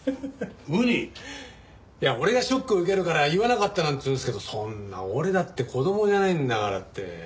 俺がショック受けるから言わなかったなんて言うんですけどそんな俺だって子供じゃないんだからって。